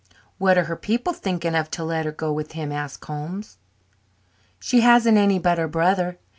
"What are her people thinking of to let her go with him?" asked Holmes. "She hasn't any but her brother.